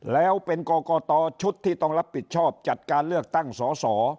แล้วเป็นกรกตชุดที่ต้องรับผิดชอบจัดการเลือกตั้งสอสอ